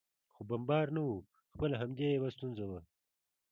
خو بمبار نه و، خپله همدې یو ستونزه وه.